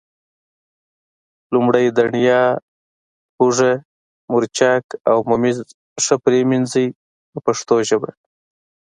لومړی دڼیا، هوګه، مرچک او ممیز ښه پرېمنځئ په پښتو ژبه.